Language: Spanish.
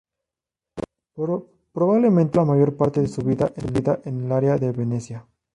Probablemente pasó la mayor parte de su vida en el área de Venecia.